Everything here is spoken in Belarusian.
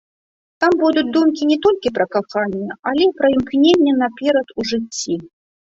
Там будуць думкі не толькі пра каханне, але і пра імкненне наперад у жыцці.